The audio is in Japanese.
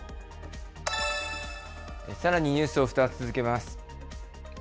さらにニュースを２つ続けます。